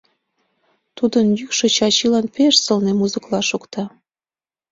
Тудын йӱкшӧ Чачилан пеш сылне музыкла шокта.